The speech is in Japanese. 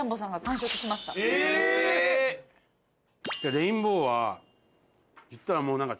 レインボーはいったらもう。